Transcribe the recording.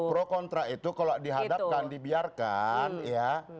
pro kontra itu kalau dihadapkan dibiarkan ya